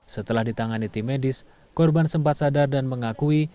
setelah ditangani tim medis korban sempat sadar dan mengakui